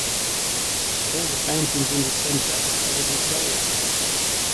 All the fountains in the center are covered with gold.